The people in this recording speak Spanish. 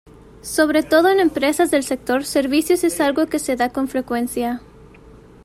Sobre todo en empresas del sector servicios es algo que se da con frecuencia.